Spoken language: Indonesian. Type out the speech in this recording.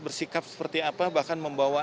bersikap seperti apa bahkan membawa